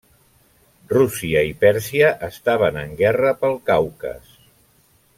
Rússia i Pèrsia estaven en guerra pel Caucas.